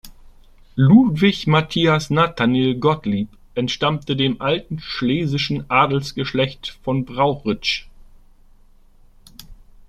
Ludwig Matthias Nathanael Gottlieb entstammte dem alten schlesischen Adelsgeschlecht von Brauchitsch.